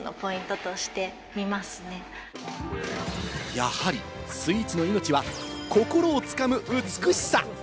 やはりスイーツの命は心をつかむ美しさ。